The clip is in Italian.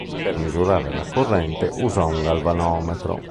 Per misurare la corrente usò un galvanometro.